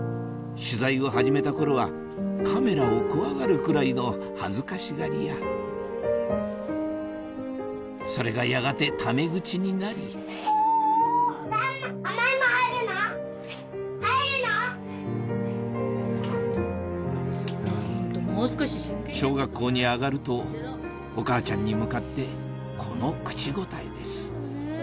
取材を始めた頃はカメラを怖がるくらいの恥ずかしがり屋それがやがてタメ口になり小学校に上がるとお母ちゃんに向かってこの口答えです